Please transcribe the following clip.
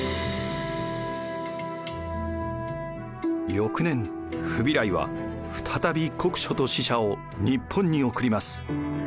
翌年フビライは再び国書と使者を日本に送ります。